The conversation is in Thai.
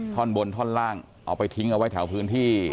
ท่อนบนท่อนล่างเอาไปทิ้งเอาไว้แถวพื้นที่